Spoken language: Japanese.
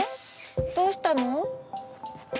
どうしたの？